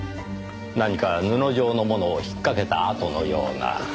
何か布状のものを引っかけた跡のような。